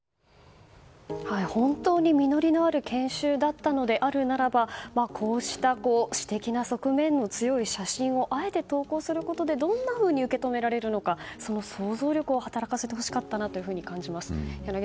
本当に実りのある研修だったのであるならばこうした私的な側面の強い写真をあえて投稿することでどんなふうに受け止められるかその想像力を働かせてほしかったなと思います。